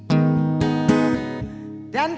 kami akan mencoba